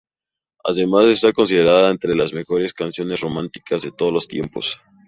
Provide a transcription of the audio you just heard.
Además de estar considerada entre las mejores canciones románticas de todos los tiempos.